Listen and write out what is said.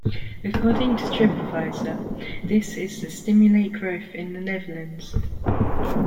According to TripAdvisor, this is to stimulate growth in The Netherlands.